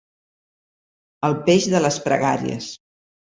El peix de les pregàries.